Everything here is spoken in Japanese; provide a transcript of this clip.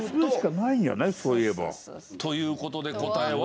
そういえば。という事で答えは。